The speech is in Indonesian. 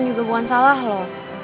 ini juga bukan salah lo